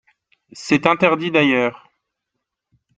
C’est interdit, d’ailleurs